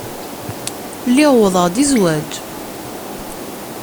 Lliɣ uwḍeɣ-d i zzwaj.